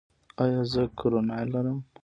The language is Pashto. ایا زه کرونا لرم؟